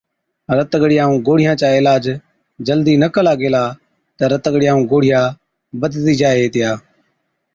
رت ڳڙِيا ائُون گوڙهِيان چا عِلاج جلدِي نہ ڪلا گيلا تہ رت ڳڙِيا ائُون گوڙهِيا بڌتِي جائي هِتِيا۔